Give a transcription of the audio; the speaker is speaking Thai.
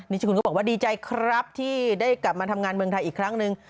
ชุลก็บอกว่าดีใจครับที่ได้กลับมาทำงานเมืองไทยอีกครั้งหนึ่ง